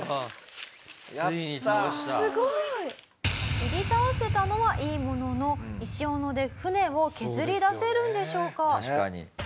切り倒せたのはいいものの石斧で舟を削り出せるんでしょうか？